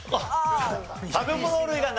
食べ物類が７つ。